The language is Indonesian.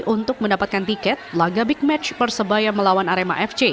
untuk mendapatkan tiket laga big match persebaya melawan arema fc